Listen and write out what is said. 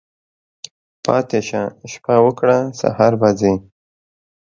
پاتی شه، شپه وکړه ، سهار به ځی.